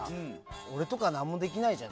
俺とか何にもできないじゃん。